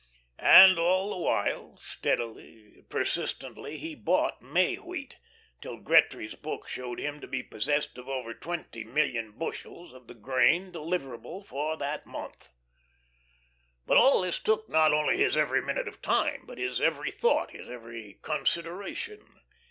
And all the while, steadily, persistently, he bought May wheat, till Gretry's book showed him to be possessed of over twenty million bushels of the grain deliverable for that month. But all this took not only his every minute of time, but his every thought, his every consideration.